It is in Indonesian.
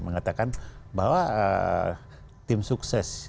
mengatakan bahwa tim sukses